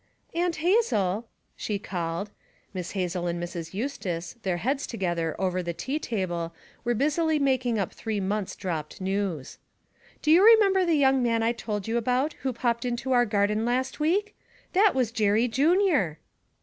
'Aunt Hazel,' she called. Miss Hazel and Mrs. Eustace, their heads together over the tea table, were busily making up three months' dropped news. 'Do you remember the young man I told you about who popped into our garden last week? That was Jerry Junior!'